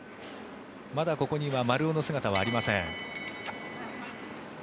まだここには丸尾の姿はありません。